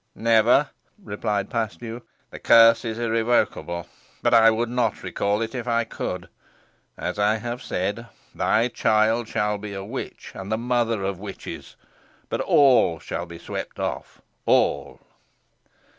"Never," replied Paslew; "the curse is irrevocable. But I would not recall it if I could. As I have said, thy child shall be a witch, and the mother of witches but all shall be swept off all!"